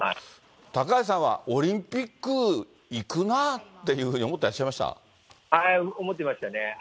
高橋さんはオリンピック行くなっていうふうに思ったりしてました思ってましたね。